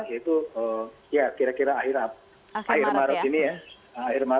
ya itu kira kira akhir maret ini ya